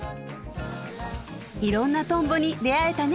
いろんなトンボに出合えたね